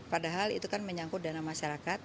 padahal itu kan menyangkut dana masyarakat